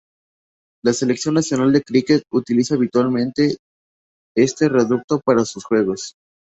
La selección nacional de cricket utiliza habitualmente este reducto para sus juegos.